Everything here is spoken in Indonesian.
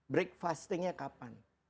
break fastingnya kapan